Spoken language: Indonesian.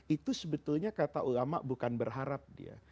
itu sebetulnya kata ulama bukan berharap dia